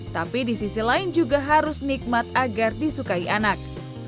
tapi di sisi lain juga harus nikmat agar disukai anak